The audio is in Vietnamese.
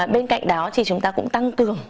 bên cạnh đó thì chúng ta cũng tăng cường